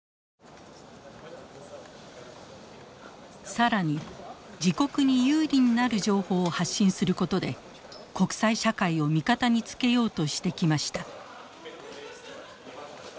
更に自国に有利になる情報を発信することで国際社会を味方につけようとしてきました。